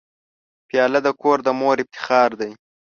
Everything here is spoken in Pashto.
پیاله د کور د مور افتخار دی.